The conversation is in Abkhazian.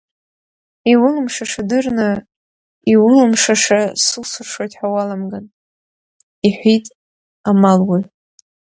Иулымшаша дырны, иулымшаша сылсыршоит ҳа уаламган, иҳәит амалуаҩ.